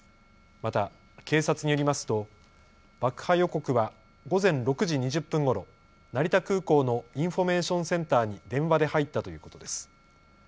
また警察によりますと爆破予告は午前６時２０分ごろ、成田空港のインフォメーションセンターに電話で入ったということです。